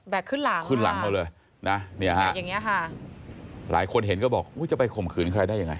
แบกขึ้นหลังค่ะอย่างนี้ค่ะหลายคนเห็นก็บอกจะไปข่มขืนใครได้อย่างไร